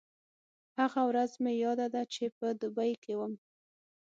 هغه ورځ مې یاده ده چې په دوبۍ کې وم.